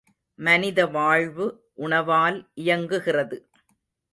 மனித வாழ்வு உணவால் இயங்குகிறது.